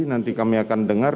nanti kami akan dengar